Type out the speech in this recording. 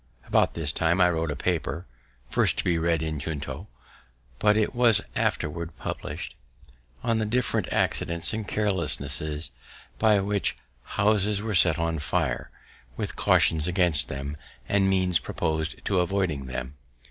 About this time I wrote a paper (first to be read in Junto, but it was afterward publish'd) on the different accidents and carelessnesses by which houses were set on fire, with cautions against them, and means proposed of avoiding them.